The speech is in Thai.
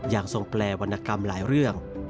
อย่างส่งแปลวรรณกรรมหลายเรื่อง